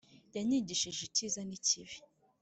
yanyigishije icyiza n'ikibi.